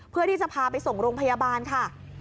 เพื่อที่จะพาไปส่งโรงพยาบาลค่ะ